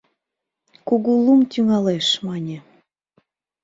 Кугу лум тӱҥалеш, — мане.